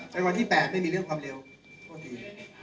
ในวันที่แปดไม่มีเรื่องความเร็วโทษที